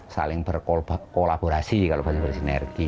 saling berkolaborasi kalau baca baca sinergi